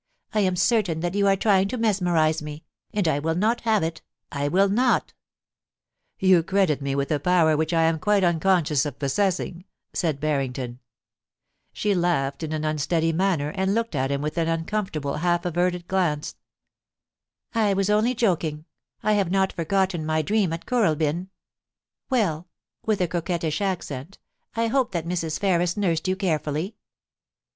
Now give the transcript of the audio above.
* I am certain that you are trying to mesmerise me — and I will not have it — I will not' * You credit me with a power which I am quite uncon scious of possessing,' said Barrington. She laughed in an unsteady manner, and looked at him with an uncomfortable, half averted glance. ' I was only joking ; I have not forgotten my dream at MISS LONGLEAT AT THE BUNYAS. 227 Kooralbyn. Well,' with a coquettish accent, * I hope that Mrs. Ferris nursed you carefully.'